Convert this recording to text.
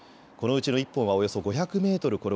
このうちの１本はおよそ５００メートル